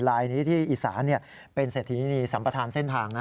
ลายนี้ที่อีสานเป็นเศรษฐีนีสัมประธานเส้นทาง